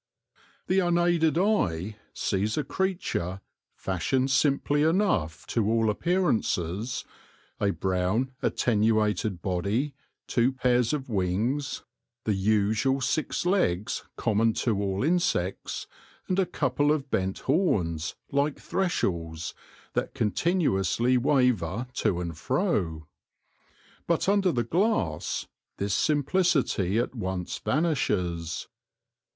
The unaided eye sees a creature, fashioned simply enough to all appearances — a brown, attenuated body, two pairs of wings, the usual six legs common to all insects, and a couple of bent horns, like threshels, that continuously waver to and fro. But under the glass this simplicity at once vanishes.